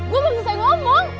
gue belum selesai ngomong